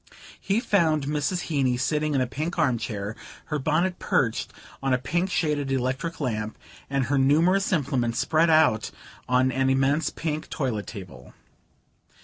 He found Mrs. Heeny sitting in a pink arm chair, her bonnet perched on a pink shaded electric lamp and her numerous implements spread out on an immense pink toilet table.